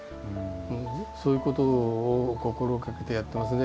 そういうことを心がけてやってますね。